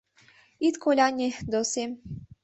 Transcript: — Ит коляне, досем.